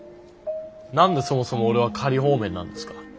何でそもそも俺は仮放免なんですか？